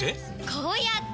こうやって！